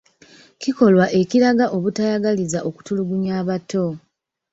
Kikolwa ekiraga obutayagaliza okutulugunya abato.